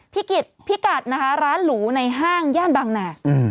พี่กิจพี่กัดนะคะร้านหลูในห้างย่านบังหนา